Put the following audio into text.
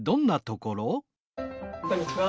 こんにちは。